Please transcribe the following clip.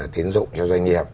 tiến dụng cho doanh nghiệp